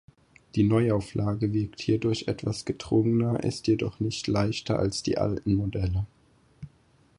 Die Neuauflage wirkt hierdurch etwas gedrungener, ist jedoch nicht leichter als die „alten“ Modelle.